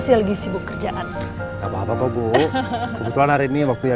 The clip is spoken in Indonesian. bagaimana genot tersebut kayaknya